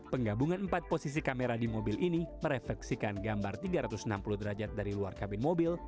penggabungan empat posisi kamera di mobil ini merefleksikan gambar tiga ratus enam puluh derajat dari luar kabin mobil